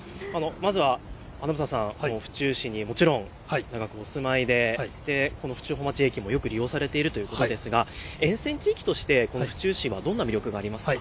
まずは英さん、府中市に長くお住まいで府中本町駅もよく利用されているということですが沿線地域として府中市はどんな魅力がありますか。